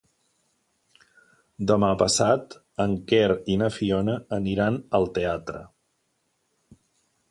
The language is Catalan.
Demà passat en Quer i na Fiona aniran al teatre.